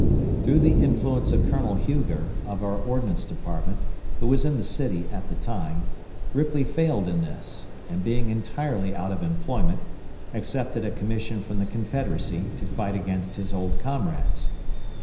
Through the influence of Colonel Huger, of our Ordnance Department, who was in the city at the time, Ripley failed in this, and, being entirely out of employment, accepted a commission from the Confederacy to fight against his old comrades.